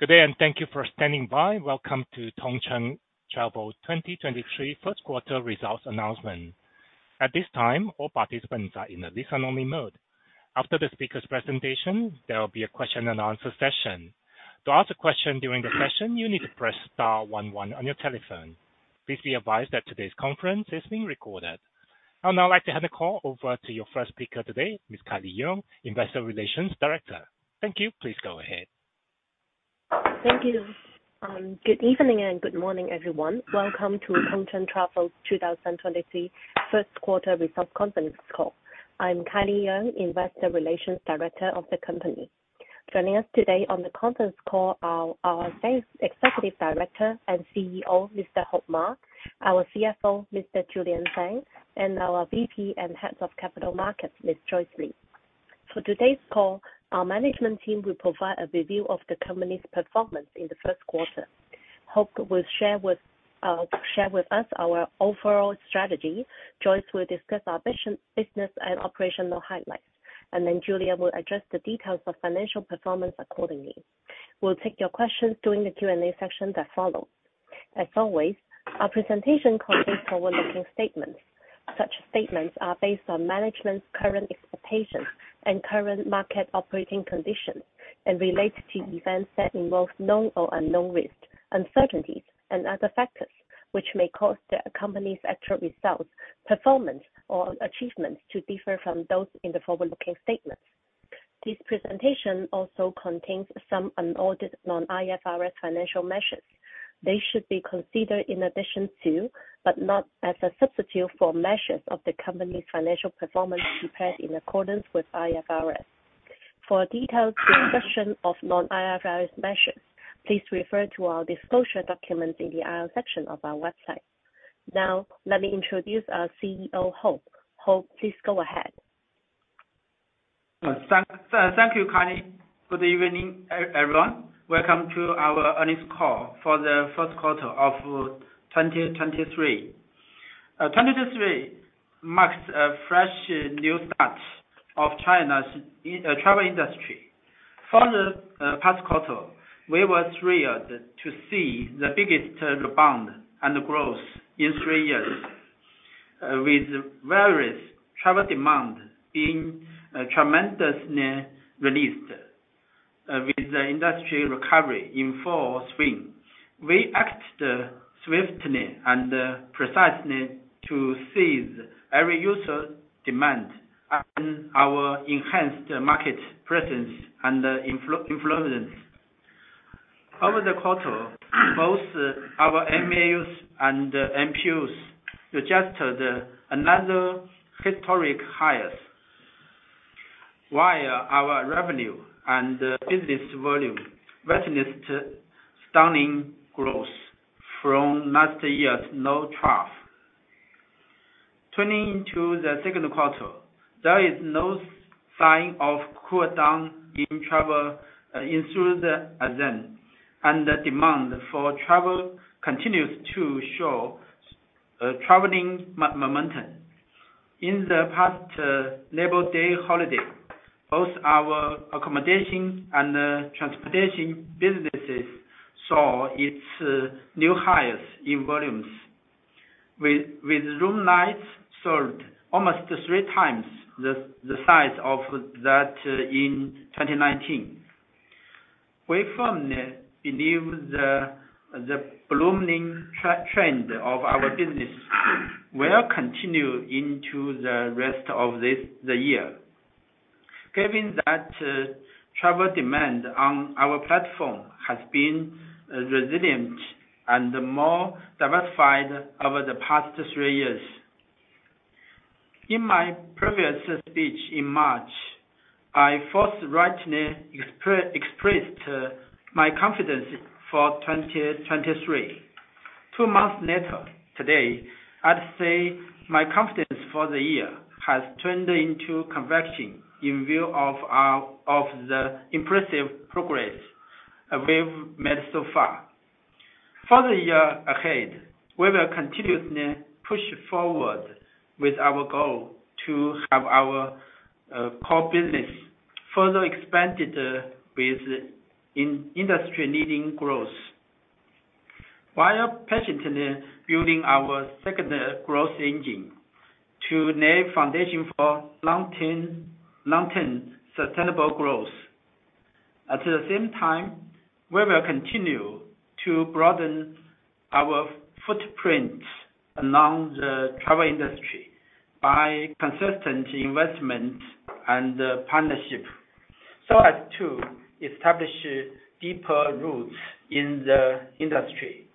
Good day, thank you for standing by. Welcome to Tongcheng Travel 2023 Q1 results announcement. At this time, all participants are in a listen-only mode. After the speaker's presentation, there will be a question and answer session. To ask a question during the session, you need to press star one one on your telephone. Please be advised that today's conference is being recorded. I would now like to hand the call over to your first speaker today, Ms. Kylie Yeung, Investor Relations Director. Thank you. Please go ahead. Thank you. Good evening and good morning, everyone. Welcome to Tongcheng Travel 2023 Q1 results conference call. I'm Kylie Yeung, Investor Relations Director of the company. Joining us today on the conference call are our Executive Director and CEO, Mr. Hope Ma, our CFO, Mr. Julian Zhang, and our VP and Head of Capital Markets, Ms. Joyce Li. For today's call, our management team will provide a review of the company's performance in the Q1. Hope will share with us our overall strategy. Joyce will discuss our business and operational highlights, and then Julian will address the details of financial performance accordingly. We'll take your questions during the Q&A session that follows. As always, our presentation contains forward-looking statements. Such statements are based on management's current expectations and current market operating conditions and relates to events that involve known or unknown risks, uncertainties and other factors which may cause the company's actual results, performance or achievements to differ from those in the forward-looking statements. This presentation also contains some unaudited non-IFRS financial measures. They should be considered in addition to, but not as a substitute for, measures of the company's financial performance prepared in accordance with IFRS. For a detailed discussion of non-IFRS measures, please refer to our disclosure documents in the IR section of our website. Let me introduce our CEO, Hope. Hope, please go ahead. Thank you, Kylie. Good evening, everyone. Welcome to our earnings call for the Q1 of 2023. 2023 marks a fresh new start of China's travel industry. For the past quarter, we were thrilled to see the biggest rebound and growth in three years, with various travel demand being tremendously released, with the industry recovery in full swing. We acted swiftly and precisely to seize every user demand and our enhanced market presence and influence. Over the quarter, both our MAUs and MPUs suggested another historic highest. Our revenue and business volume witnessed stunning growth from last year's low trough. Turning to the Q2, there is no sign of cool down in travel into the scene. The demand for travel continues to show traveling momentum. In the past Labor Day holiday, both our accommodation and transportation businesses saw its new highest in volumes with room nights sold almost three times the size of that in 2019. We firmly believe the blooming trend of our business will continue into the rest of this year. Given that travel demand on our platform has been resilient and more diversified over the past three years. In my previous speech in March, I full rightly expressed my confidence for 2023. Two months later, today, I'd say my confidence for the year has turned into conviction in view of our of the impressive progress we've made so far. For the year ahead, we will continuously push forward with our goal to have our core business further expanded with in-industry leading growth. While patiently building our second growth engine to lay foundation for long-term sustainable growth. At the same time, we will continue to broaden our footprint along the travel industry by consistent investment and partnership so as to establish deeper roots in the industry.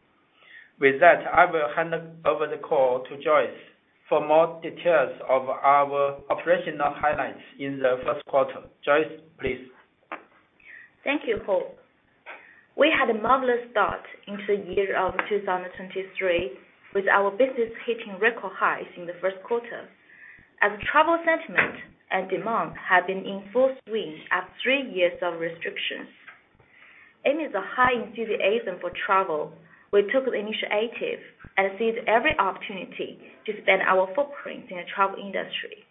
With that, I will hand over the call to Joyce for more details of our operational highlights in the Q1. Joyce, please. Thank you, Hope. We had a marvelous start into the year of 2023, with our business hitting record highs in the Q1 as travel sentiment and demand have been in full swing after three years of restrictions. It is a high in peak season for travel. We took initiative and seized every opportunity to expand our footprint in the travel industry.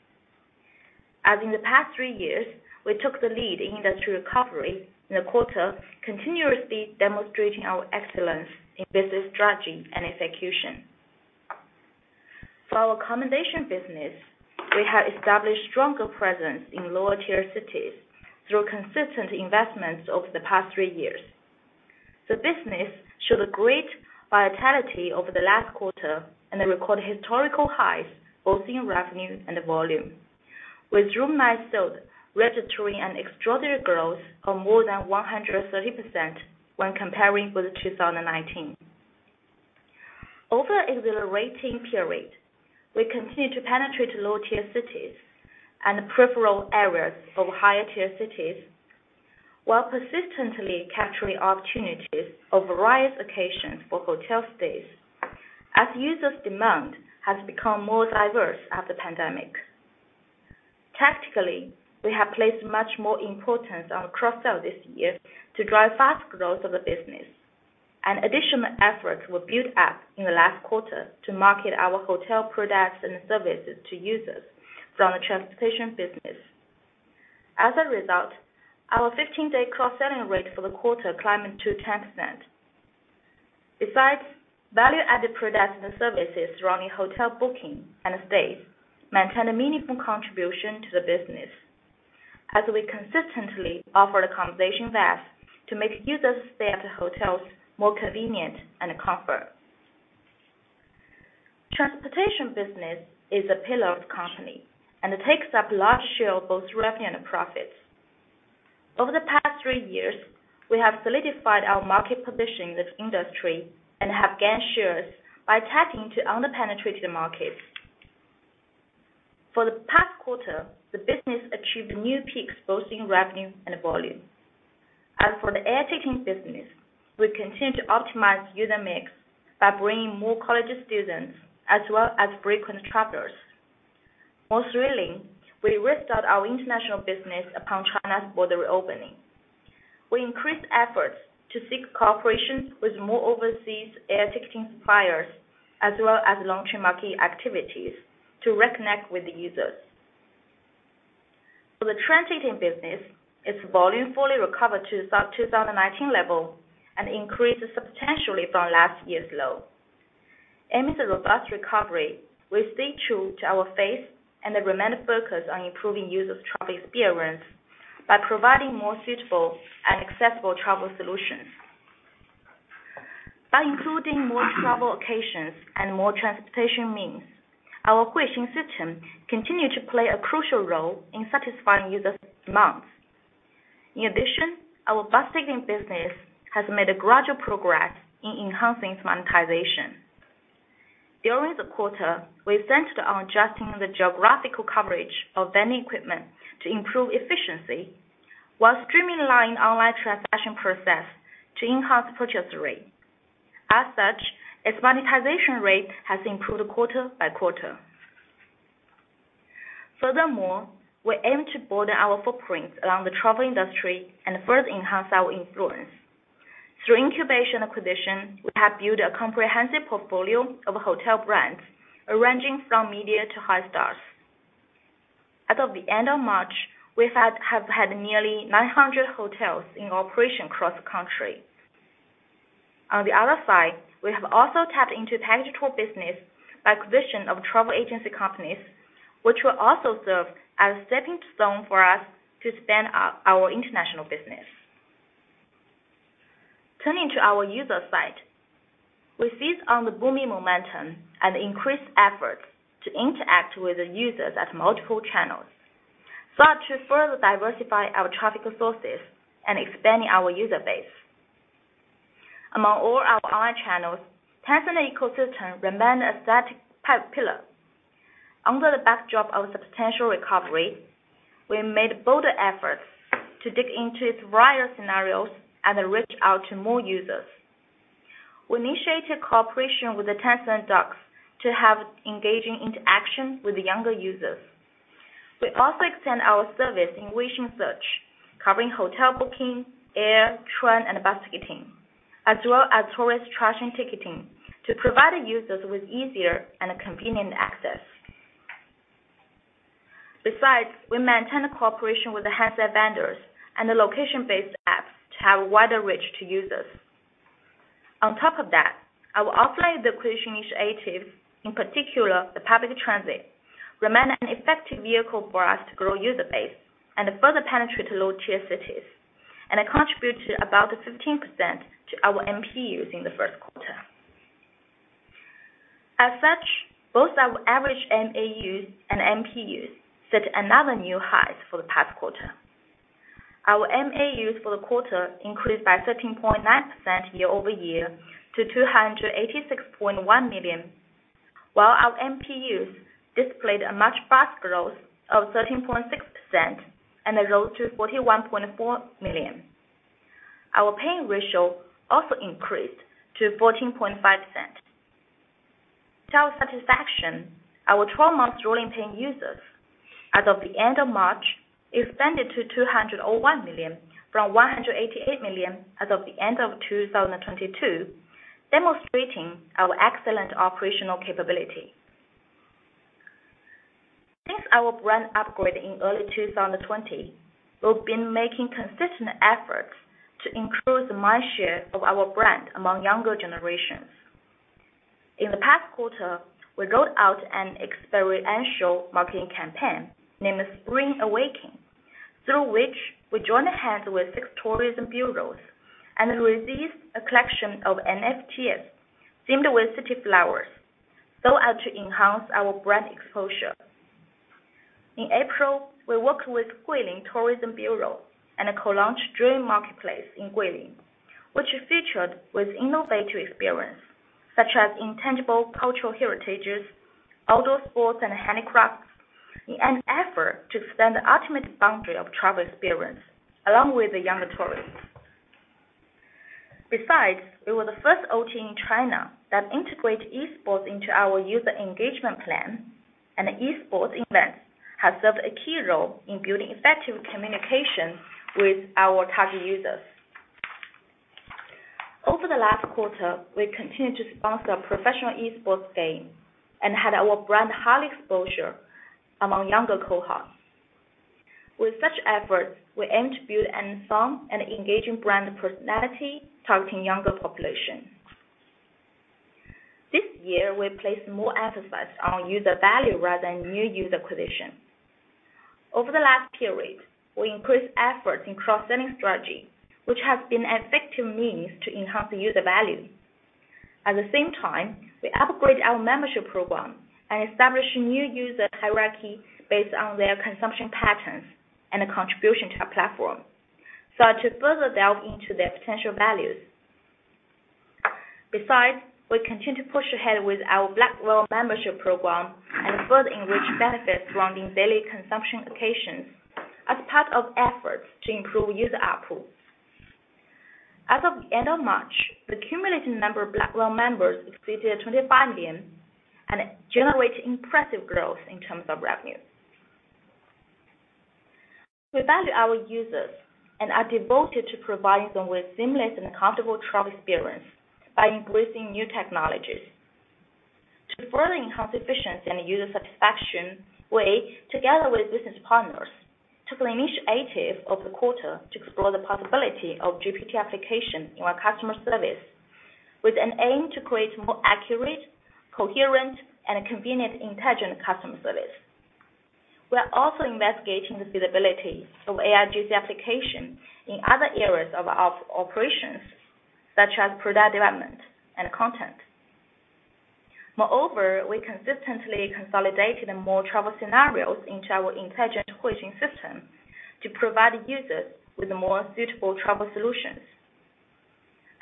As in the past three years, we took the lead in industry recovery in the quarter, continuously demonstrating our excellence in business strategy and execution. For our accommodation business, we have established stronger presence in lower-tier cities through consistent investments over the past three years. The business showed a great vitality over the last quarter and it recorded historical highs, both in revenue and the volume, with room nights sold registering an extraordinary growth of more than 130% when comparing with 2019. Over the exhilarating period, we continued to penetrate low-tier cities and peripheral areas of higher tier cities, while persistently capturing opportunities of various occasions for hotel stays as users' demand has become more diverse after pandemic. Tactically, we have placed much more importance on cross-sell this year to drive fast growth of the business. Additional efforts were built up in the last quarter to market our hotel products and services to users from the transportation business. As a result, our 15-day cross-selling rate for the quarter climbed to 10%. Value-added products and services surrounding hotel booking and stays maintain a meaningful contribution to the business as we consistently offer accommodation vouchers to make users stay at the hotels more convenient and comfort. Transportation business is a strategic pillar of the company, and it takes up large share of both revenue and profits. Over the past three years, we have solidified our market position in this industry and have gained shares by tapping into under-penetrated markets. For the past quarter, the business achieved new peaks, both in revenue and volume. For the air ticketing business, we continue to optimize user mix by bringing more college students as well as frequent travelers. Most thrilling, we restart our international business upon China's border reopening. We increased efforts to seek cooperation with more overseas air ticketing suppliers, as well as launching marquee activities to reconnect with the users. For the train ticketing business, its volume fully recovered to 2019 level and increased substantially from last year's low. Aiming at a robust recovery, we stay true to our faith and remain focused on improving users' travel experience by providing more suitable and accessible travel solutions. By including more travel occasions and more transportation means, our Huixing system continued to play a crucial role in satisfying users' demands. Our bus ticketing business has made a gradual progress in enhancing its monetization. During the quarter, we centered on adjusting the geographical coverage of vending equipment to improve efficiency, while streamlining online transaction process to enhance purchase rate. As such, its monetization rate has improved quarter-by-quarter. Furthermore, we aim to broaden our footprints along the travel industry and further enhance our influence. Through incubation acquisition, we have built a comprehensive portfolio of hotel brands, ranging from media to high stars. As of the end of March, we have had nearly 900 hotels in operation cross-country. On the other side, we have also tapped into digital business by acquisition of travel agency companies, which will also serve as stepping stone for us to expand our international business. Turning to our user side, we seize on the booming momentum and increase efforts to interact with the users at multiple channels, so as to further diversify our traffic resources and expanding our user base. Among all our online channels, Tencent ecosystem remained a strategic pillar. Under the backdrop of substantial recovery, we have made bolder efforts to dig into its various scenarios and then reach out to more users. We initiated cooperation with the Tencent Docs to have engaging interaction with the younger users. We also extend our service in Huixing Search, covering hotel booking, air, train, and bus ticketing, as well as tourist attraction ticketing to provide the users with easier and convenient access. Besides, we maintain a cooperation with the handset vendors and the location-based apps to have a wider reach to users. On top of that, our offline acquisition initiatives, in particular, the public transit, remain an effective vehicle for us to grow user base and further penetrate low-tier cities, and it contribute to about 15% to our MPUs in the Q1. As such, both our average MAUs and MPUs set another new height for the past quarter. Our MAUs for the quarter increased by 13.9% year-over-year to 286.1 million. While our MPUs displayed a much faster growth of 13.6% and it rose to 41.4 million. Our paying ratio also increased to 14.5%. To our satisfaction, our 12-month rolling paying users as of the end of March-Expanded to 201 million from 188 million as of the end of 2022, demonstrating our excellent operational capability. Since our brand upgrade in early 2020, we've been making consistent efforts to increase the mindshare of our brand among younger generations. In the past quarter, we rolled out an experiential marketing campaign named Spring Awakening, through which we joined hands with six tourism bureaus and released a collection of NFTs themed with city flowers so as to enhance our brand exposure. In April, we worked with Guilin Tourism Bureau and co-launched Dream Marketplace in Guilin, which is featured with innovative experience such as intangible cultural heritages, outdoor sports, and handicrafts in an effort to expand the ultimate boundary of travel experience along with the younger tourists. Besides, we were the first OT in China that integrate esports into our user engagement plan, and esports events have served a key role in building effective communication with our target users. Over the last quarter, we continued to sponsor a professional esports game and had our brand high exposure among younger cohorts. With such efforts, we aim to build and form an engaging brand personality targeting younger population. This year, we placed more emphasis on user value rather than new user acquisition. Over the last period, we increased efforts in cross-selling strategy, which has been an effective means to enhance user value. We upgraded our membership program and established new user hierarchy based on their consumption patterns and contribution to our platform, so as to further delve into their potential values. We continue to push ahead with our Black Whale membership program and further enrich benefits surrounding daily consumption occasions as part of efforts to improve user output. As of end of March, the cumulative number of Black Whale members exceeded 25 million and generated impressive growth in terms of revenue. We value our users and are devoted to providing them with seamless and comfortable travel experience by embracing new technologies. To further enhance efficiency and user satisfaction, we, together with business partners, took the initiative over the quarter to explore the possibility of GPT application in our customer service with an aim to create more accurate, coherent, and convenient intelligent customer service. We are also investigating the feasibility of AIGC application in other areas of our operations such as product development and content. Moreover, we consistently consolidated more travel scenarios into our intelligent Huixing system to provide users with more suitable travel solutions.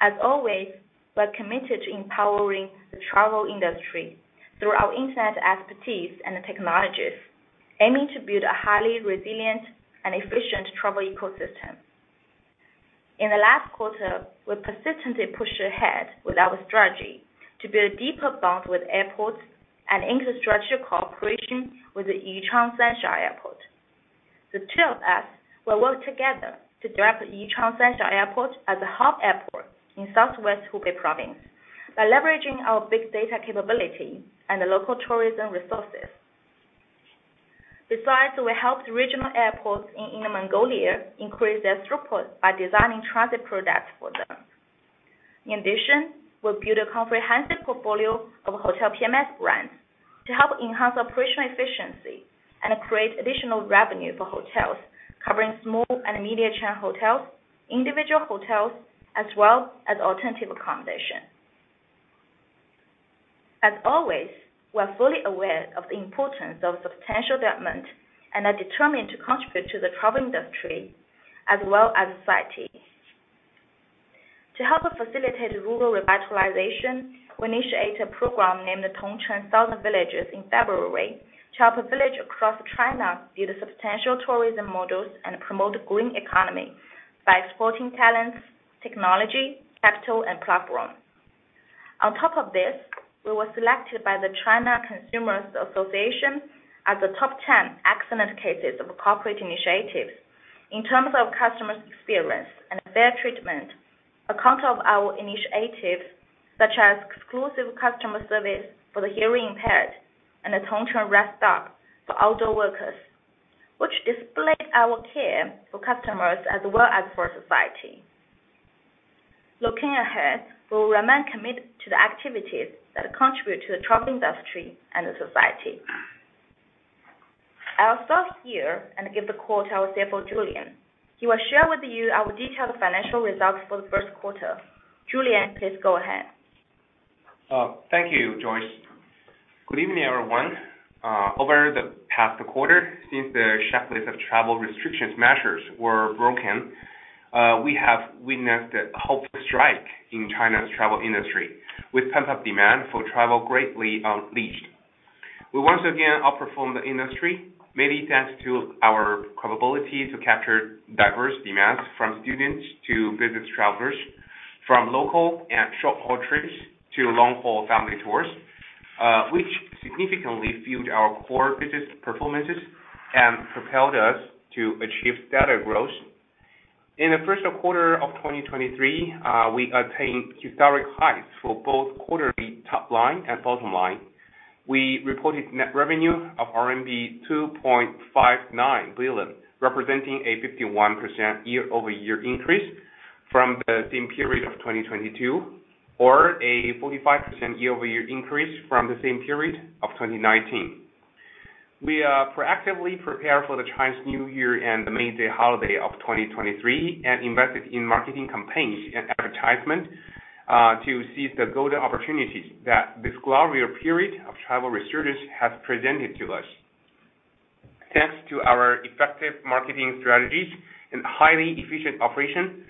As always, we're committed to empowering the travel industry through our internet expertise and technologies, aiming to build a highly resilient and efficient travel ecosystem. In the last quarter, we persistently pushed ahead with our strategy to build deeper bonds with airports and infrastructure cooperation with the Yichang Sanxia Airport. The two of us will work together to direct Yichang Sanxia Airport as a hub airport in southwest Hubei province by leveraging our big data capability and the local tourism resources. Besides, we helped regional airports in Inner Mongolia increase their throughput by designing transit products for them. In addition, we built a comprehensive portfolio of hotel PMS brands to help enhance operational efficiency and create additional revenue for hotels covering small and immediate chain hotels, individual hotels, as well as alternative accommodation. As always, we're fully aware of the importance of substantial development and are determined to contribute to the travel industry as well as society. To help facilitate rural revitalization, we initiate a program named Tongcheng Thousand Villages in February to help village across China build substantial tourism models and promote green economy by exporting talents, technology, capital, and platform. On top of this, we were selected by the China Consumers Association as the top 10 excellent cases of corporate initiatives in terms of customers' experience and fair treatment on account of our initiatives such as exclusive customer service for the hearing impaired and the Tongcheng Rest Stop for outdoor workers, which displayed our care for customers as well as for society. Looking ahead, we will remain committed to the activities that contribute to the travel industry and the society. I'll stop here and give the call to our CFO, Julian. He will share with you our detailed financial results for the Q1. Julian, please go ahead. Thank you, Joyce. Good evening, everyone. Over the past quarter, since the shackles of travel restrictions measures were broken, we have witnessed a hopeful strike in China's travel industry with pent-up demand for travel greatly unleashed. We once again outperformed the industry, mainly thanks to our capability to capture diverse demands from students to business travelers, from local and short-haul trips to long-haul family tours. Which significantly fueled our core business performances and propelled us to achieve steady growth. In the Q1 of 2023, we attained historic heights for both quarterly top line and bottom line. We reported net revenue of RMB 2.59 billion, representing a 51% year-over-year increase from the same period of 2022, or a 45% year-over-year increase from the same period of 2019. We are proactively prepare for the Chinese New Year and the May Day holiday of 2023 and invested in marketing campaigns and advertisement to seize the golden opportunity that this glorious period of travel resurgence has presented to us. Thanks to our effective marketing strategies and highly efficient operation,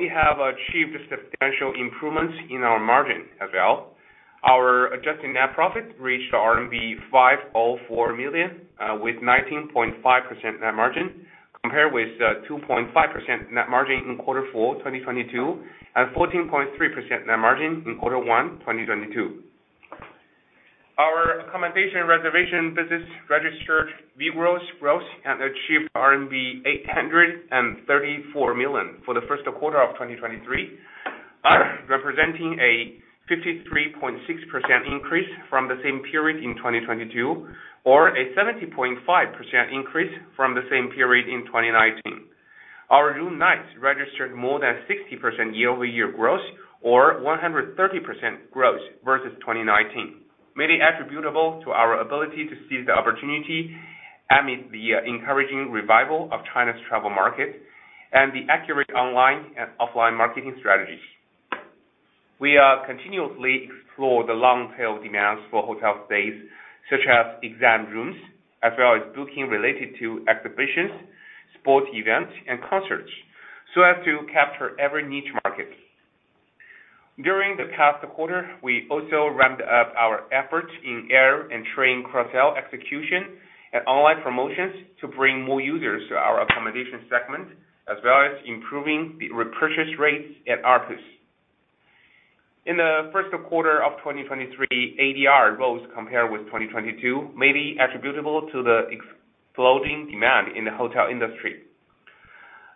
we have achieved substantial improvements in our margin as well. Our adjusted net profit reached RMB 504 million with 19.5% net margin, compared with the 2.5% net margin in Q4, 2022, and 14.3% net margin in Q1, 2022. Our accommodation reservation business registered vigorous growth and achieved RMB 834 million for the Q1 of 2023, representing a 53.6% increase from the same period in 2022, or a 70.5% increase from the same period in 2019. Our room nights registered more than 60% year-over-year growth or 130% growth versus 2019, mainly attributable to our ability to seize the opportunity amid the encouraging revival of China's travel market and the accurate online and offline marketing strategies. We are continuously explore the long tail demands for hotel stays such as exam rooms, as well as booking related to exhibitions, sports events, and concerts, so as to capture every niche market. During the past quarter, we also ramped up our efforts in air and train cross-sell execution and online promotions to bring more users to our accommodation segment, as well as improving the repurchase rates and ARPUs. In the Q1 of 2023, ADR rose compared with 2022, mainly attributable to the exploding demand in the hotel industry.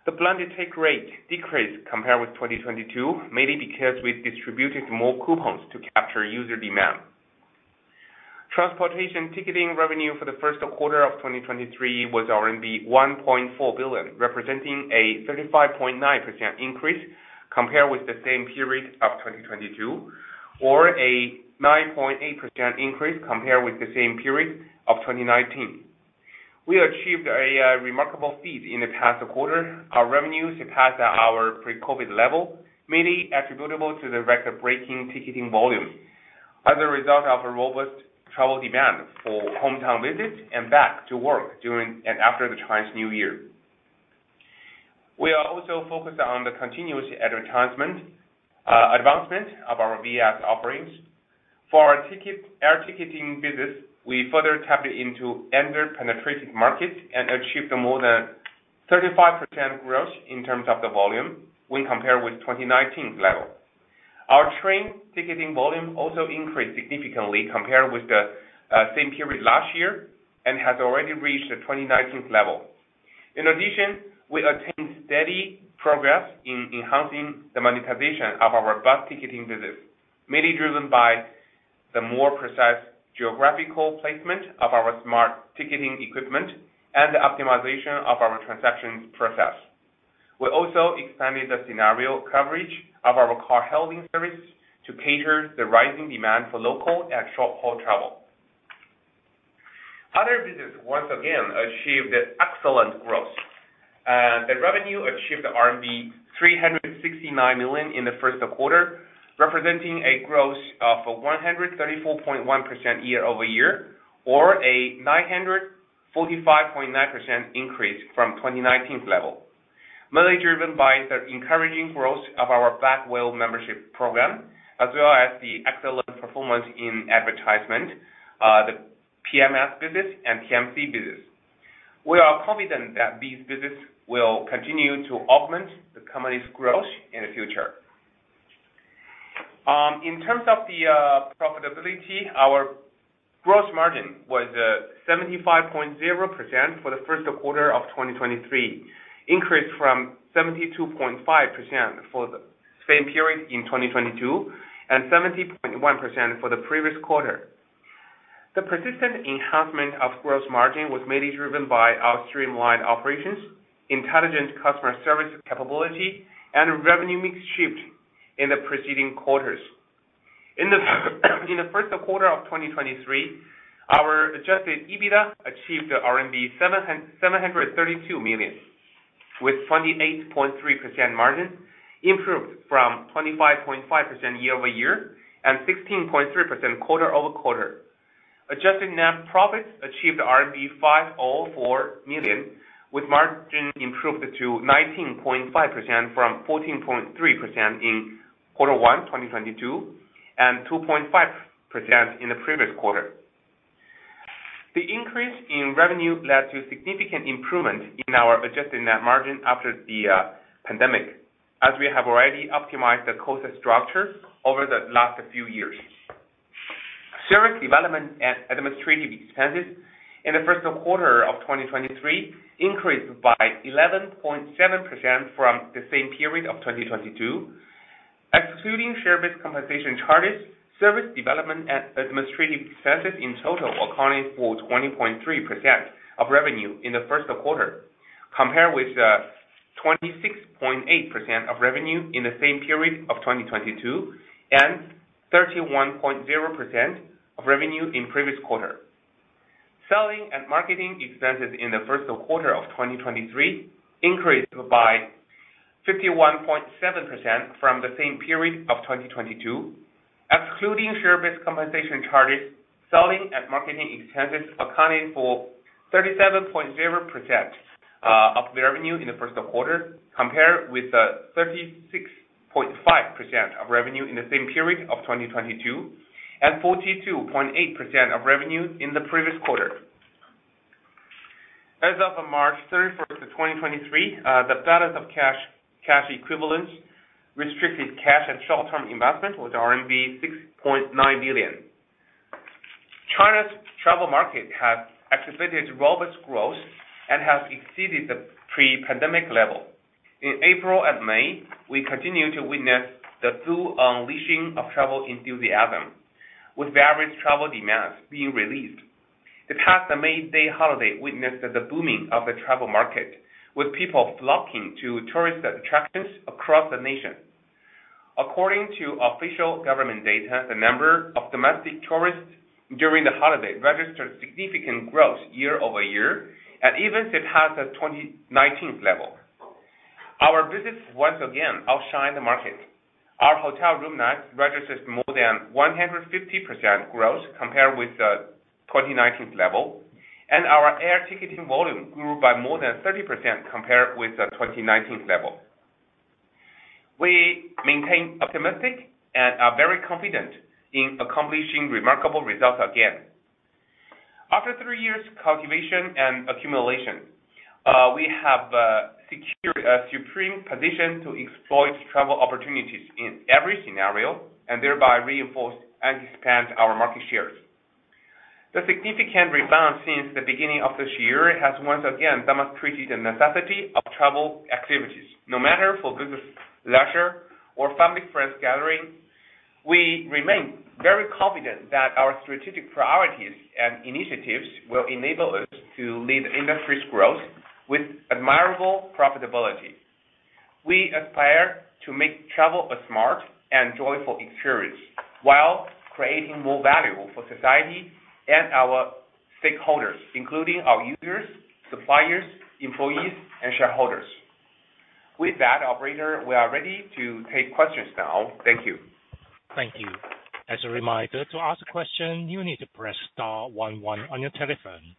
The blended take rate decreased compared with 2022, mainly because we distributed more coupons to capture user demand. Transportation ticketing revenue for the Q1 of 2023 was RMB 1.4 billion, representing a 35.9% increase compared with the same period of 2022, or a 9.8% increase compared with the same period of 2019. We achieved a remarkable feat in the past quarter. Our revenue surpassed our pre-COVID level, mainly attributable to the record-breaking ticketing volume as a result of a robust travel demand for hometown visits and back to work during and after the Chinese New Year. We are also focused on the continuous advertisement advancement of our VAS offerings. For our air ticketing business, we further tapped into under-penetrated markets and achieved more than 35% growth in terms of the volume when compared with 2019 level. Our train ticketing volume also increased significantly compared with the same period last year and has already reached the 2019 level. We attained steady progress in enhancing the monetization of our bus ticketing business, mainly driven by the more precise geographical placement of our smart ticketing equipment and the optimization of our transactions process. We also expanded the scenario coverage of our car hailing service to cater the rising demand for local and short-haul travel. Other business, once again, achieved excellent growth. The revenue achieved RMB 369 million in the Q1, representing a growth of 134.1% year-over-year or a 945.9% increase from 2019 level. Mainly driven by the encouraging growth of our Black Whale membership program, as well as the excellent performance in advertisement, the PMS business and PMC business. We are confident that these business will continue to augment the company's growth in the future. In terms of the profitability, our gross margin was 75.0% for the Q1 of 2023, increased from 72.5% for the same period in 2022, and 70.1% for the previous quarter. The persistent enhancement of gross margin was mainly driven by our streamlined operations, intelligent customer service capability, and revenue mix shift in the preceding quarters. In the Q1 of 2023, our adjusted EBITDA achieved RMB 732 million with 28.3% margin, improved from 25.5% year-over-year and 16.3% quarter-over-quarter. Adjusted net profits achieved RMB 504 million, with margin improved to 19.5% from 14.3% in Q1 2022, and 2.5% in the previous quarter. The increase in revenue led to significant improvement in our adjusted net margin after the pandemic, as we have already optimized the cost structure over the last few years. Service development and administrative expenses in the Q1 of 2023 increased by 11.7% from the same period of 2022. Excluding share-based compensation charges, service development and administrative expenses in total accounting for 20.3% of revenue in the Q1, compared with 26.8% of revenue in the same period of 2022, and 31.0% of revenue in previous quarter. Selling and marketing expenses in the Q1 of 2023 increased by 51.7% from the same period of 2022. Excluding share-based compensation charges, selling and marketing expenses accounting for 37.0% of the revenue in the Q1, compared with 36.5% of revenue in the same period of 2022, and 42.8% of revenue in the previous quarter. As of March 31, 2023, the status of cash equivalents restricted cash and short-term investment was RMB 6.9 billion. China's travel market has exhibited robust growth and has exceeded the pre-pandemic level. In April and May, we continued to witness the full unleashing of travel enthusiasm, with various travel demands being released. The past May Day holiday witnessed the booming of the travel market, with people flocking to tourist attractions across the nation. According to official government data, the number of domestic tourists during the holiday registered significant growth year-over-year, and even surpassed the 2019 level. Our business once again outshined the market. Our hotel room nights registers more than 100% growth compared with the 2019 level, and our air ticketing volume grew by more than 30% compared with the 2019 level. We maintain optimistic and are very confident in accomplishing remarkable results again. After three years cultivation and accumulation, we have secured a supreme position to exploit travel opportunities in every scenario and thereby reinforce and expand our market shares. The significant rebound since the beginning of this year has once again demonstrated the necessity of travel activities, no matter for business, leisure or family friends gathering. We remain very confident that our strategic priorities and initiatives will enable us to lead industry's growth with admirable profitability. We aspire to make travel a smart and joyful experience while creating more value for society and our stakeholders, including our users, suppliers, employees and shareholders. With that, operator, we are ready to take questions now. Thank you. Thank you. As a reminder, to ask a question, you need to press star one one on your telephone.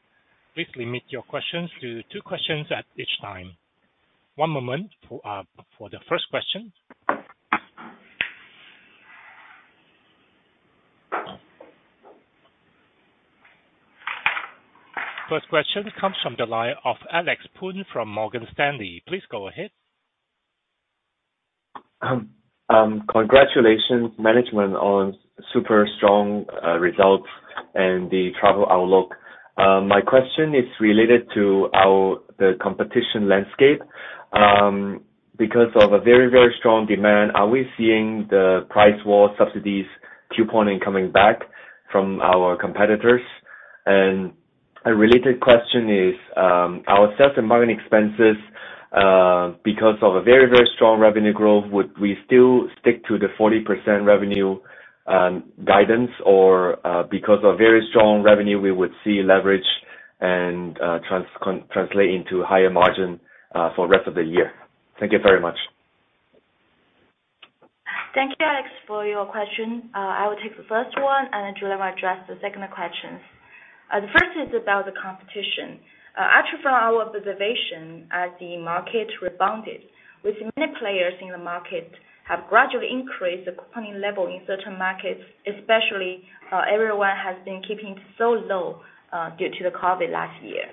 Please limit your questions to two questions at each time. One moment for the first question. First question comes from the line of Alex Poon from Morgan Stanley. Please go ahead. Congratulations management on super strong results and the travel outlook. My question is related to the competition landscape. Because of a very, very strong demand, are we seeing the price war subsidies couponing coming back from our competitors? A related question is, our sales and marketing expenses, because of a very, very strong revenue growth, would we still stick to the 40% revenue guidance? Because of very strong revenue, we would see leverage and translate into higher margin for rest of the year? Thank you very much. Thank you, Alex, for your question. I will take the first one, and Julian will address the second question. The first is about the competition. Actually from our observation, as the market rebounded, we've seen many players in the market have gradually increased the couponing level in certain markets, especially, everyone has been keeping so low, due to the COVID last year.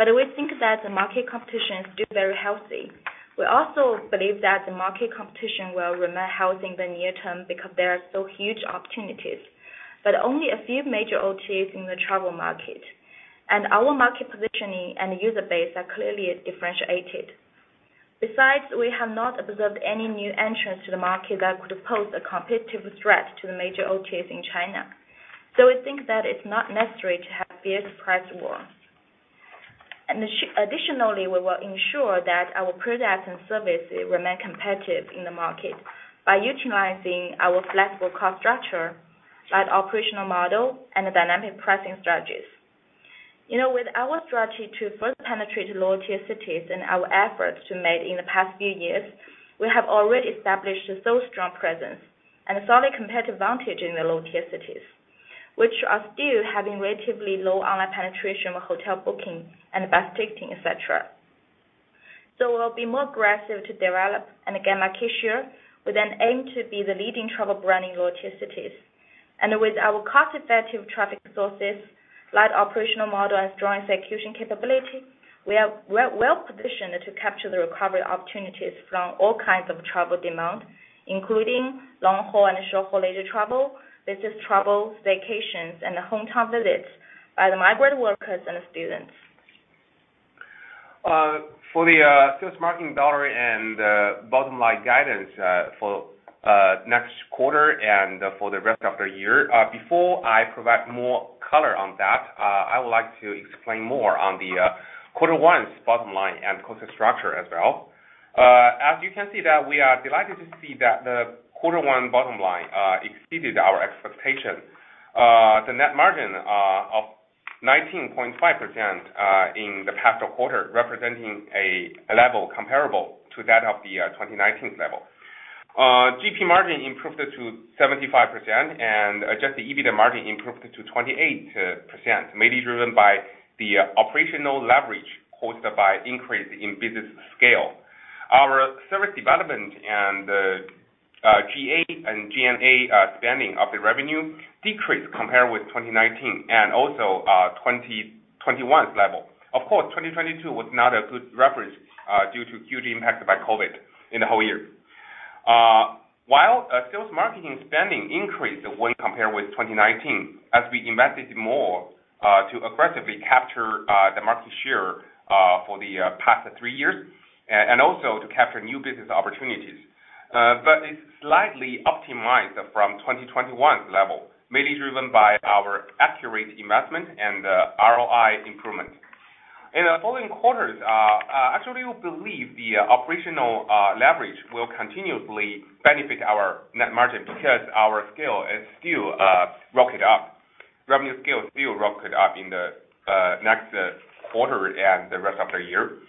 We think that the market competition is still very healthy. We also believe that the market competition will remain healthy in the near term because there are still huge opportunities, but only a few major OTAs in the travel market. Our market positioning and user base are clearly differentiated. We have not observed any new entrants to the market that could pose a competitive threat to the major OTAs in China. We think that it's not necessary to have fierce price war. Additionally, we will ensure that our products and services remain competitive in the market by utilizing our flexible cost structure, light operational model and dynamic pricing strategies. , with our strategy to first penetrate low-tier cities and our efforts to made in the past few years, we have already established a so strong presence and a solid competitive advantage in the low-tier cities, which are still having relatively low online penetration with hotel booking and bus ticketing, et cetera. We'll be more aggressive to develop and gain market share with an aim to be the leading travel brand in localities. With our cost-effective traffic sources, light operational model, and strong execution capability, we are well-positioned to capture the recovery opportunities from all kinds of travel demand, including long-haul and short-haul leisure travel, business travel, vacations, and the hometown visits by the migrant workers and students. For the sales marketing dollar and bottom line guidance for next quarter and for the rest of the year, before I provide more color on that, I would like to explain more on the quarter 1's bottom line and cost structure as well. As you can see that we are delighted to see that the Q1 bottom line exceeded our expectation. The net margin of 19.5% in the past quarter representing a level comparable to that of the 2019 level. GP margin improved to 75%, and adjusted EBITDA margin improved to 28%, mainly driven by the operational leverage caused by increase in business scale. Our service development and G&A spending of the revenue decreased compared with 2019 and also 2021's level. Of course, 2022 was not a good reference due to huge impact by COVID in the whole year. While sales marketing spending increased when compared with 2019 as we invested more to aggressively capture the market share for the past three years and also to capture new business opportunities. It's slightly optimized from 2021's level, mainly driven by our accurate investment and ROI improvement. In the following quarters, actually we believe the operational leverage will continuously benefit our net margin because our scale is still rocket up. Revenue scale still rocket up in the next quarter and the rest of the year.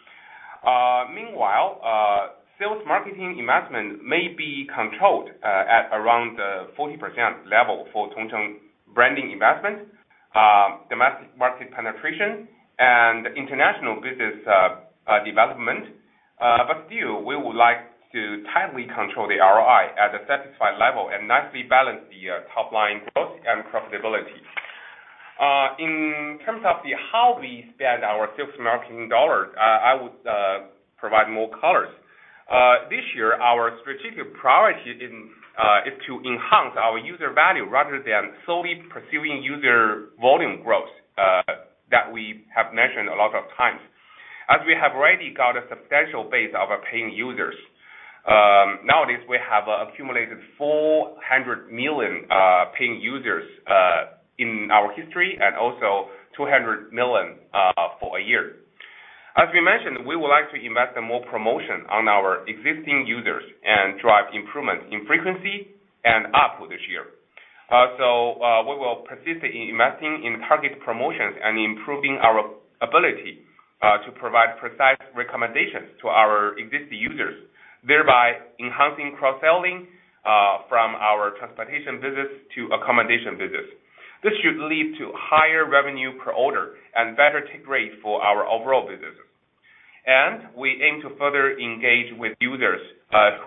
Meanwhile, sales marketing investment may be controlled at around 40% level for Tongcheng branding investment, domestic market penetration and international business development. Still, we would like to tightly control the ROI at a satisfied level and nicely balance the top-line growth and profitability. In terms of the how we spend our sales marketing dollars, I would provide more colors. This year our strategic priority is to enhance our user value rather than solely pursuing user volume growth that we have mentioned a lot of times. As we have already got a substantial base of our paying users, nowadays we have accumulated 400 million paying users in our history and also 200 million for a year. As we mentioned, we would like to invest in more promotion on our existing users and drive improvements in frequency and ARPU this year. We will persist in investing in target promotions and improving our ability to provide precise recommendations to our existing users, thereby enhancing cross-selling from our transportation business to accommodation business. This should lead to higher revenue per order and better take rate for our overall businesses. We aim to further engage with users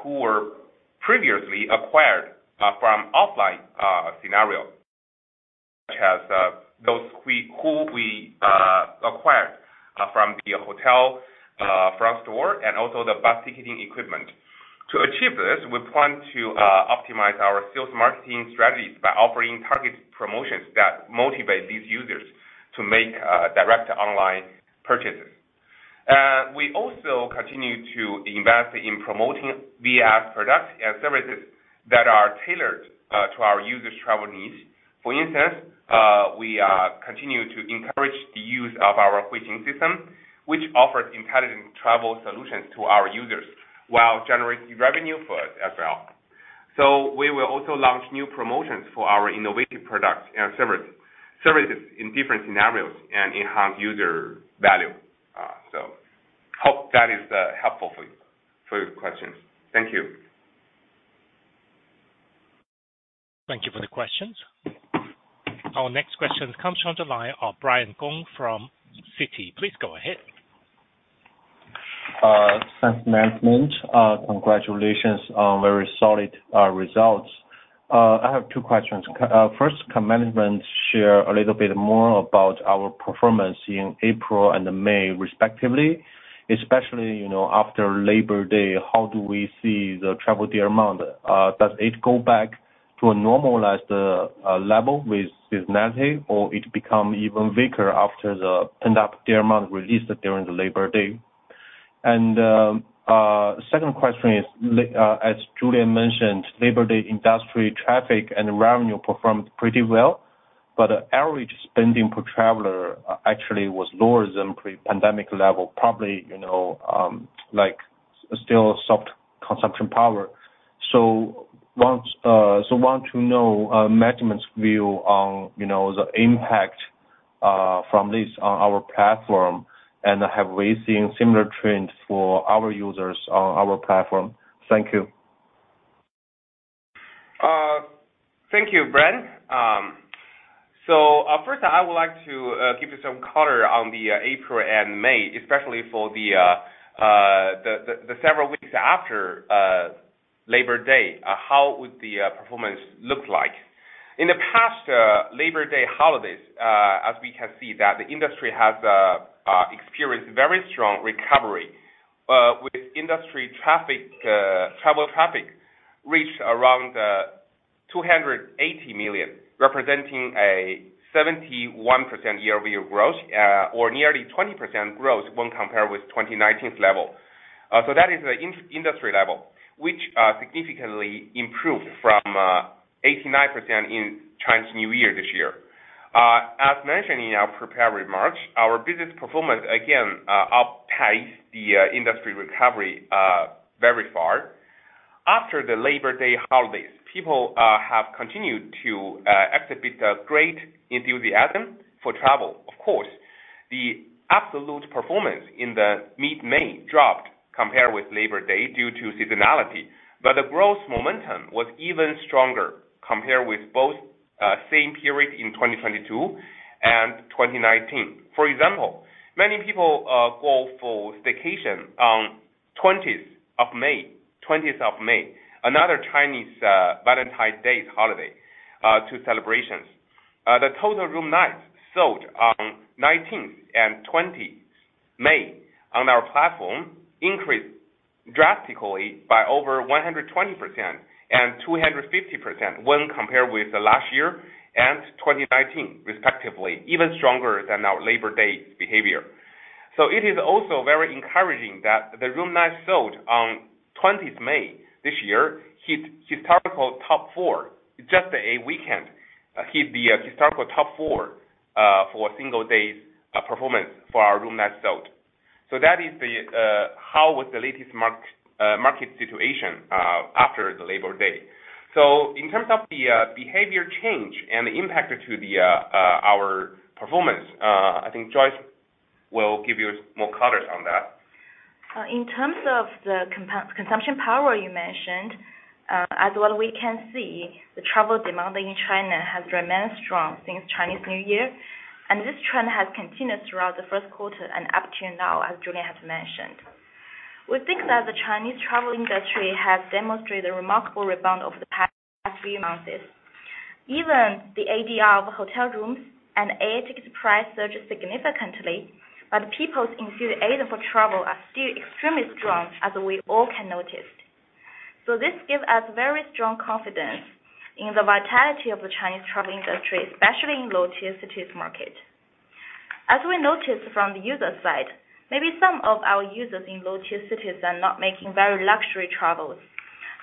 who were previously acquired from offline scenario, such as those we acquired from the hotel front door and also the bus ticketing equipment. To achieve this, we plan to optimize our sales marketing strategies by offering targeted promotions that motivate these users to make direct online purchases. We also continue to invest in promoting the app's products and services that are tailored to our users' travel needs. For instance, we continue to encourage the use of our Huixing system, which offers intelligent travel solutions to our users while generating revenue for us as well. We will also launch new promotions for our innovative products and services in different scenarios and enhance user value. Hope that is helpful for you, for your questions. Thank you. Thank you for the questions. Our next question comes from the line of Brian Gong from Citi. Please go ahead. Thanks management. Congratulations on very solid results. I have two questions. First, can management share a little bit more about our performance in April and May respectively, especially after Labor Day, how do we see the travel demand? Does it go back to a normalized level with seasonality, or it become even weaker after the pent-up demand released during the Labor Day? Second question is, as Julian mentioned, Labor Day industry traffic and revenue performed pretty well, but average spending per traveler actually was lower than pre-pandemic level, probably like still soft consumption power. Want to know management's view on the impact from this on our platform and have we seen similar trends for our users on our platform. Thank you. Thank you, Brent. First I would like to give you some color on the April and May, especially for the several weeks after Labor Day. How would the performance look like? In the past Labor Day holidays, as we can see that the industry has experienced very strong recovery, with industry traffic, travel traffic reached around 280 million, representing a 71% year-over-year growth, or nearly 20% growth when compared with 2019 level. That is the industry level, which significantly improved from 89% in Chinese New Year this year. As mentioned in our prepared remarks, our business performance again, outpaced the industry recovery very far. After the Labor Day holidays, people have continued to exhibit a great enthusiasm for travel. Of course, the absolute performance in the mid-May dropped compared with Labor Day due to seasonality, but the growth momentum was even stronger compared with both same period in 2022 and 2019. For example, many people go for staycation on 20th of May, another Chinese Valentine's Day holiday, to celebrations. The total room nights sold on 19th and 20th May on our platform increased drastically by over 120% and 250% when compared with the last year and 2019 respectively, even stronger than our Labor Day behavior. It is also very encouraging that the room nights sold on 20th May this year hit historical top 4. Just a weekend hit the historical top four for single day's performance for our room night sold. That is the how was the latest market situation after the Labor Day. In terms of the behavior change and the impact to the our performance, I think Joyce will give you more colors on that. In terms of the consumption power you mentioned, as what we can see, the travel demand in China has remained strong since Chinese New Year. This trend has continued throughout the Q1 and up to now, as Julian has mentioned. We think that the Chinese travel industry has demonstrated a remarkable rebound over the past few months. Even the ADR of hotel rooms and air tickets price surged significantly. People's enthusiasm for travel are still extremely strong, as we all can notice. This gives us very strong confidence in the vitality of the Chinese travel industry, especially in low-tier cities market. As we noticed from the user side, maybe some of our users in low-tier cities are not making very luxury travels,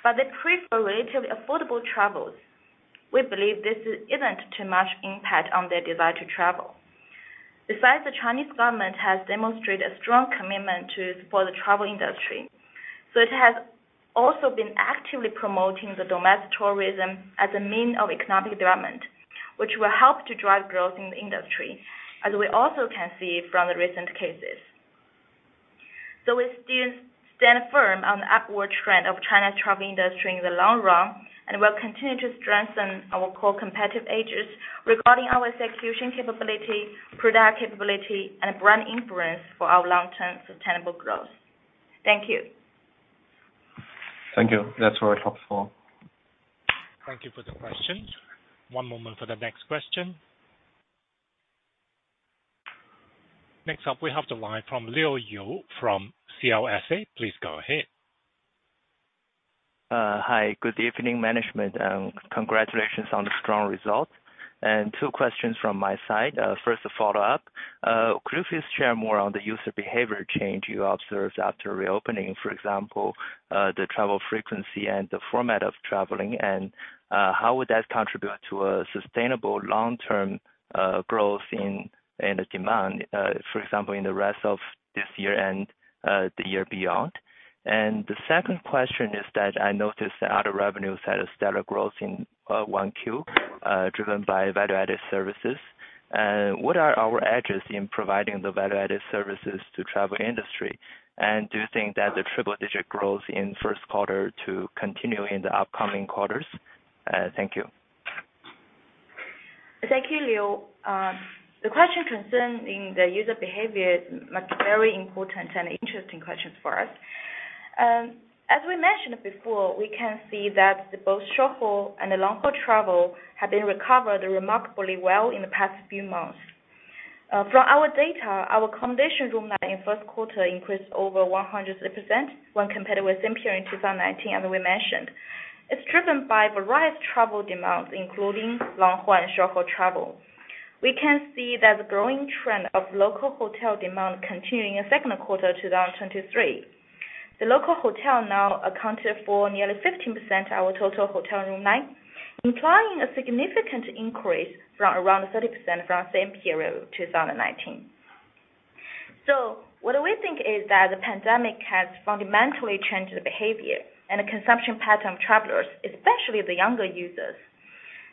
but they prefer relatively affordable travels. We believe this isn't too much impact on their desire to travel. The Chinese government has demonstrated a strong commitment to support the travel industry. It has also been actively promoting the domestic tourism as a means of economic development, which will help to drive growth in the industry, as we also can see from the recent cases. We still stand firm on the upward trend of China's travel industry in the long run, and we'll continue to strengthen our core competitive edges regarding our execution capability, product capability, and brand influence for our long-term sustainable growth. Thank you. Thank you. That's where I hop off. Thank you for the question. One moment for the next question. Next up, we have the line from Leo Yu from CLSA. Please go ahead. Hi. Good evening, management, and congratulations on the strong results. Two questions from my side. First, a follow-up. Could you please share more on the user behavior change you observed after reopening? For example, the travel frequency and the format of traveling, and how would that contribute to a sustainable long-term growth and demand, for example, in the rest of this year and the year beyond. The second question is that I noticed the other revenues had a stellar growth in 1Q, driven by value-added services. What are our edges in providing the value-added services to travel industry? Do you think that the triple digit growth in Q1 to continue in the upcoming quarters? Thank you. Thank you, Leo. The question concerning the user behavior is a very important and interesting question for us. As we mentioned before, we can see that both short-haul and the long-haul travel have been recovered remarkably well in the past few months. From our data, our accommodation room night in 1Q increased over 103% when compared with same period in 2019, as we mentioned. It's driven by various travel demands, including long-haul and short-haul travel. We can see that the growing trend of local hotel demand continuing in 2Q to down 23%. The local hotel now accounted for nearly 15% our total hotel room night, implying a significant increase from around 30% from same period, 2019. What do we think is that the pandemic has fundamentally changed the behavior and the consumption pattern of travelers, especially the younger users.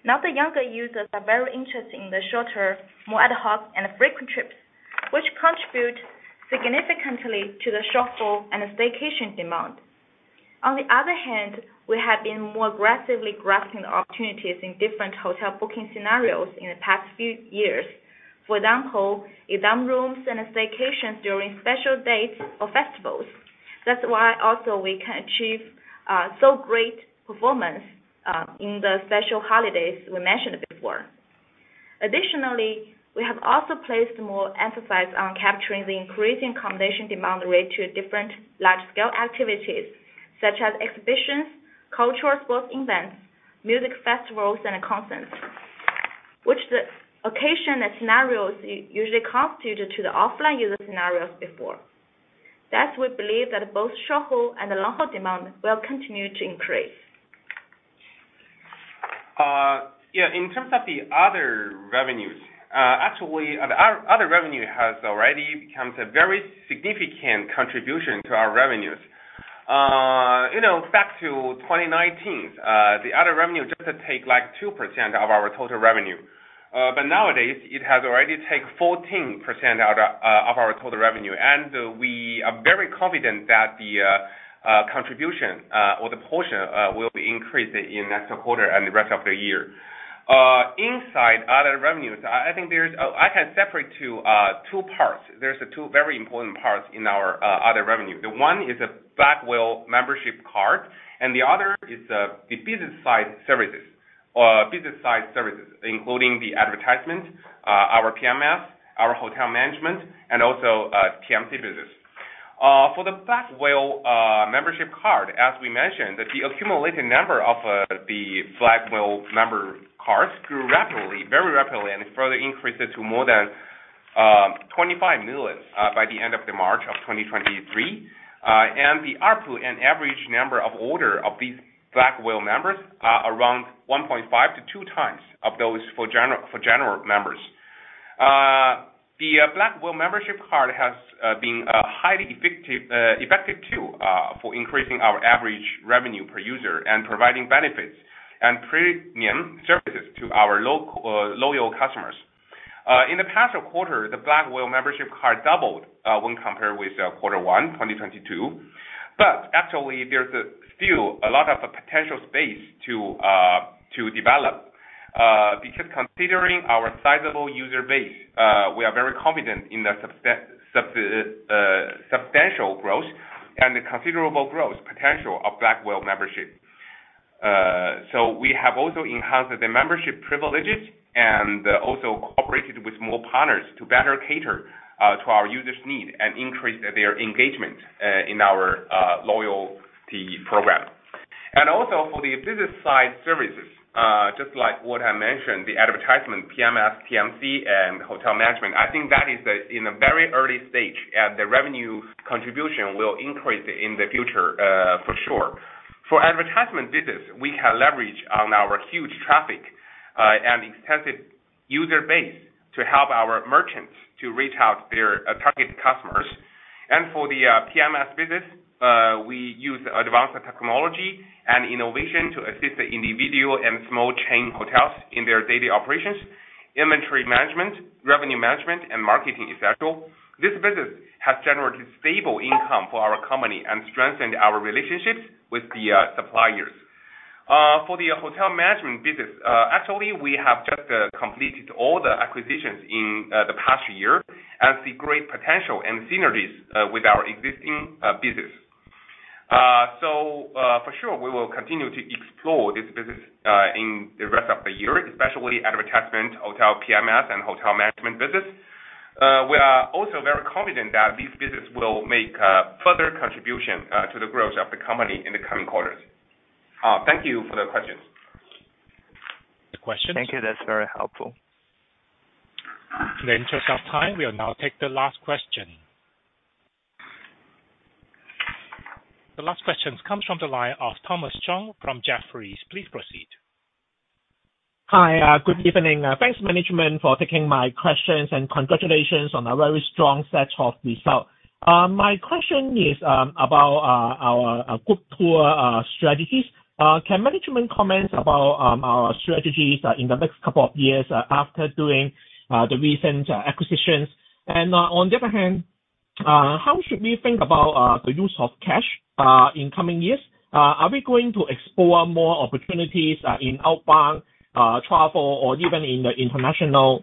Now, the younger users are very interested in the shorter, more ad hoc, and frequent trips, which contribute significantly to the short haul and staycation demand. On the other hand, we have been more aggressively grasping the opportunities in different hotel booking scenarios in the past few years. For example, exam rooms and staycations during special dates or festivals. That's why also we can achieve so great performance in the special holidays we mentioned before. Additionally, we have also placed more emphasis on capturing the increasing accommodation demand related to different large scale activities such as exhibitions, cultural sports events, music festivals and concerts, which the occasion and scenarios usually constitute to the offline user scenarios before. Thus we believe that both short haul and the long haul demand will continue to increase. Yeah, in terms of the other revenues, actually the other revenue has already becomes a very significant contribution to our revenues., back to 2019, the other revenue just take like 2% of our total revenue. Nowadays it has already take 14% out of our total revenue. We are very confident that the contribution or the portion will increase in next quarter and the rest of the year. Inside other revenues, I think I can separate to two parts. There's two very important parts in our other revenue. The one is a Black Whale membership card, and the other is the business side services, including the advertisement, our PMS, our hotel management, and also TMC business. For the Black Whale membership card, as we mentioned, the accumulated number of the Black Whale member cards grew rapidly, very rapidly and it further increased to more than 25 million by the end of March 2023. The ARPU and average number of order of these Black Whale members are around 1.5 to 2 times of those for general members. The Black Whale membership card has been a highly effective tool for increasing our average revenue per user and providing benefits and premium services to our loyal customers. In the past quarter, the Black Whale membership card doubled when compared with quarter one 2022. Actually there's still a lot of potential space to develop because considering our sizable user base, we are very confident in the substantial growth and the considerable growth potential of Black Whale membership. We have also enhanced the membership privileges and also cooperated with more partners to better cater to our users need and increase their engagement in our loyalty program. Also for the business side services, just like what I mentioned, the advertisement PMS, TMC and hotel management, I think that is in a very early stage, and the revenue contribution will increase in the future for sure. For advertisement business, we can leverage on our huge traffic and extensive user base to help our merchants to reach out their target customers. For the PMS business, we use advanced technology and innovation to assist the individual and small chain hotels in their daily operations, inventory management, revenue management and marketing, et cetera. This business has generated stable income for our company and strengthened our relationships with the suppliers. For the hotel management business, actually we have just completed all the acquisitions in the past year and see great potential and synergies with our existing business. For sure, we will continue to explore this business in the rest of the year, especially advertisement, hotel PMS and hotel management business. We are also very confident that these business will make a further contribution to the growth of the company in the coming quarters. Thank you for the question. The questions. Thank you. That's very helpful. In the interest of time, we'll now take the last question. The last question comes from the line of Thomas Chong from Jefferies. Please proceed. Hi. Good evening. Thanks management for taking my questions and congratulations on a very strong set of results. My question is about our group tour strategies. Can management comment about our strategies in the next couple of years after doing the recent acquisitions? On the other hand, how should we think about the use of cash in coming years? Are we going to explore more opportunities in outbound travel or even in the international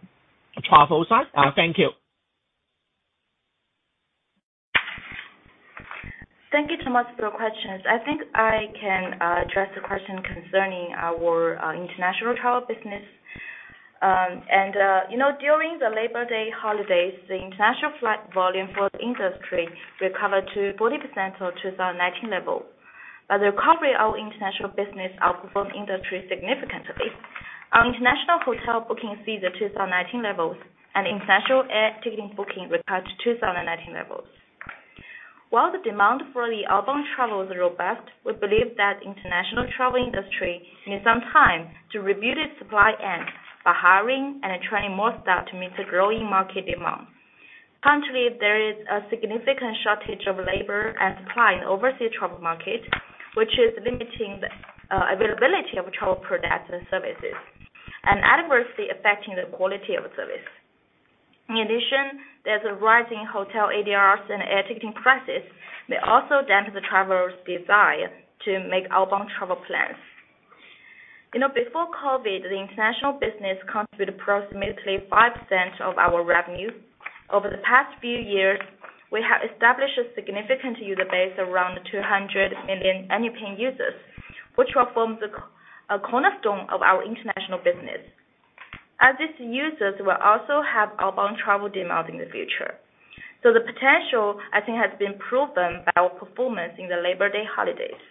travel side? Thank you. Thank you Thomas for your questions. I think I can address the question concerning our international travel business., during the Labor Day holidays, the international flight volume for the industry recovered to 40% of 2019 level. The recovery of international business outperformed the industry significantly. Our international hotel booking sees the 2019 levels and international air ticketing booking recovered to 2019 levels. While the demand for the outbound travel is robust, we believe that international travel industry needs some time to rebuild its supply and by hiring and training more staff to meet the growing market demand. Currently, there is a significant shortage of labor and supply in overseas travel market, which is limiting the availability of travel products and services. Adversely affecting the quality of service. In addition, there's a rising hotel ADRs and air ticketing prices may also damp the travelers' desire to make outbound travel plans., before COVID, the international business contributed approximately 5% of our revenue. Over the past few years, we have established a significant user base around 200 million annual paying users, which will form the cornerstone of our international business. As these users will also have outbound travel demand in the future. The potential, I think, has been proven by our performance in the Labor Day holidays.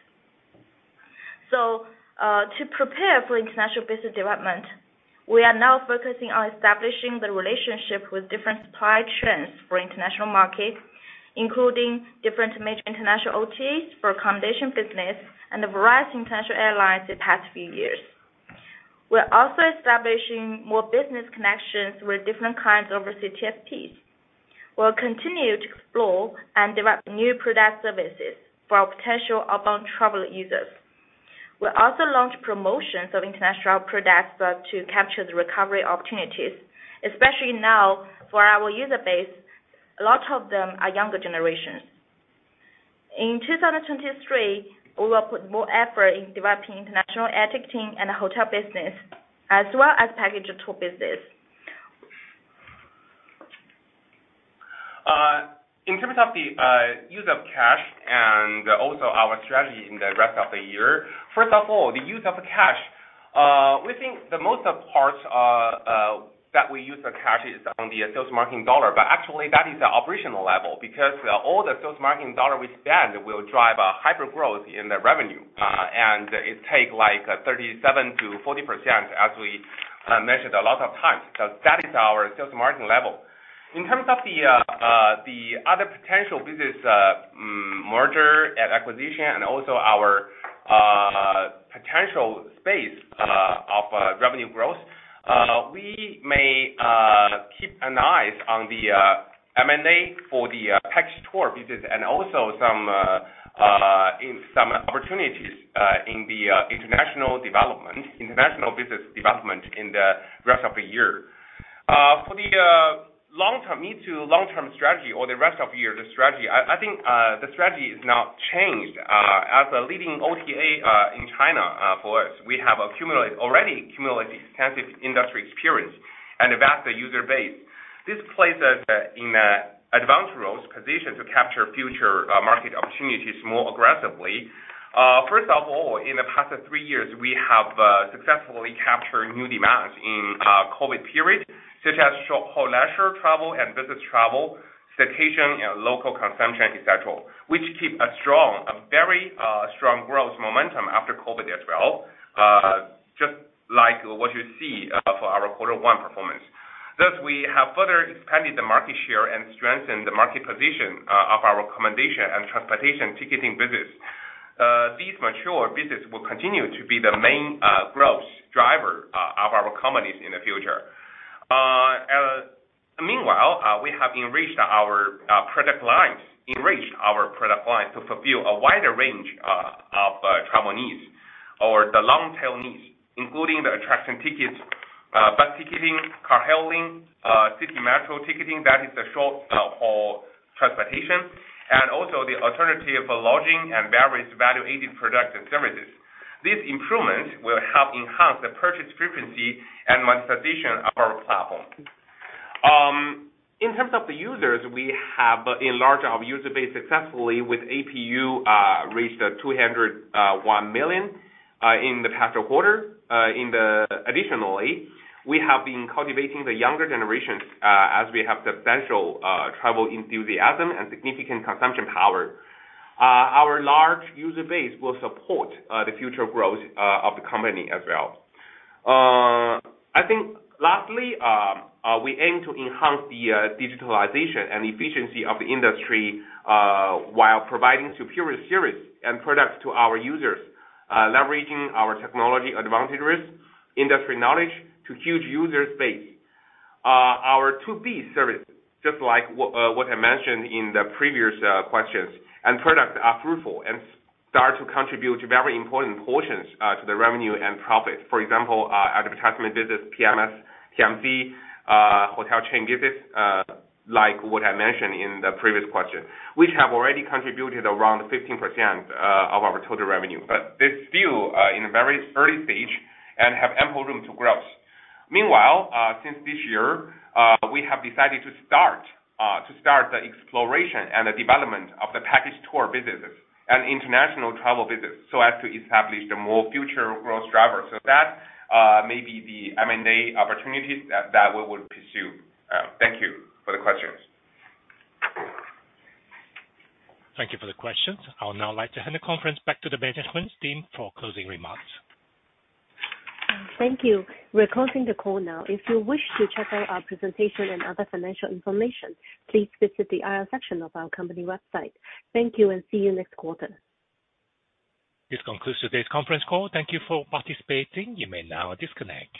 To prepare for international business development, we are now focusing on establishing the relationship with different supply chains for international market, including different major international OTAs for accommodation business and a variety of international airlines the past few years. We're also establishing more business connections with different kinds of CTAs. We'll continue to explore and develop new product services for our potential outbound travel users. We'll also launch promotions of international products to capture the recovery opportunities, especially now for our user base, a lot of them are younger generations. In 2023, we will put more effort in developing international air ticketing and hotel business as well as package tour business. In terms of the use of cash and also our strategy in the rest of the year. First of all, the use of cash. We think the most of parts that we use the cash is on the sales marketing dollar, but actually that is the operational level because all the sales marketing dollar we spend will drive a hyper-growth in the revenue, and it take, like, 37%-40% as we measured a lot of times. That is our sales marketing level. In terms of the other potential business, merger and acquisition and also our potential space of revenue growth, we may keep an eye on the M&A for the package tour business and also some opportunities in the international development, international business development in the rest of the year. For the long-term strategy or the rest of the year, the strategy, I think, the strategy is not changed as a leading OTA in China for us. We have already accumulated extensive industry experience and a vast user base. This places us in a advanced roles position to capture future market opportunities more aggressively. First of all, in the past three years, we have successfully captured new demands in COVID period, such as short haul leisure travel and business travel, staycation and local consumption, et cetera, which keep a very strong growth momentum after COVID as well, just like what you see for our quarter one performance. Thus, we have further expanded the market share and strengthened the market position of our accommodation and transportation ticketing business. These mature business will continue to be the main growth driver of our companies in the future. Meanwhile, we have enriched our product lines to fulfill a wider range of travel needs or the long-tail needs, including the attraction tickets, bus ticketing, car hailing, city metro ticketing, that is the short haul transportation, and also the alternative lodging and various value-added products and services. These improvements will help enhance the purchase frequency and monetization of our platform. In terms of the users, we have enlarged our user base successfully with APU reached 201 million in the past quarter. Additionally, we have been cultivating the younger generations as we have substantial travel enthusiasm and significant consumption power. Our large user base will support the future growth of the company as well. I think lastly, we aim to enhance the digitalization and efficiency of the industry, while providing superior service and products to our users, leveraging our technology advantages, industry knowledge to huge user base. Our B2B service, just like what I mentioned in the previous questions and products are fruitful and start to contribute very important portions to the revenue and profit. For example, advertisement business, PMS, CMC, hotel chain business, like what I mentioned in the previous question, which have already contributed around 15% of our total revenue. They're still in a very early stage and have ample room to growth. Meanwhile, since this year, we have decided to start the exploration and the development of the package tour business and international travel business so as to establish the more future growth drivers. That, may be the M&A opportunities that we would pursue. Thank you for the questions. Thank you for the questions. I would now like to hand the conference back to the management team for closing remarks. Thank you. We're closing the call now. If you wish to check out our presentation and other financial information, please visit the IR section of our company website. Thank you, and see you next quarter. This concludes today's conference call. Thank you for participating. You may now disconnect.